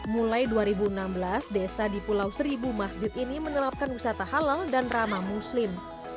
mulai dua ribu enam belas desa di pulau seribu masjid ini menerapkan wisata halal dan ramah muslim